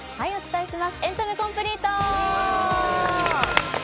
「エンタメコンプリート」！